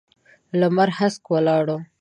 لمر هسک ولاړ و.